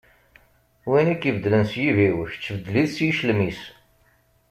Win i ak-ibeddlen s yibiw, kečč beddel-it s yiclem-is.